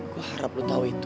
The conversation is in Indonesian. gue harap lo tau itu